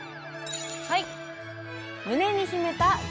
はい！